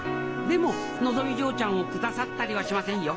でものぞみ嬢ちゃんを下さったりはしませんよ。